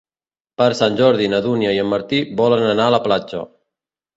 Per Sant Jordi na Dúnia i en Martí volen anar a la platja.